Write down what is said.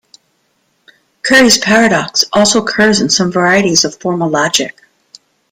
Curry's paradox also occurs in some varieties of formal logic.